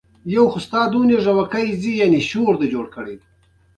ستوني غرونه د افغان ماشومانو د لوبو موضوع ده.